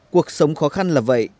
cuộc sống khó khăn là vậy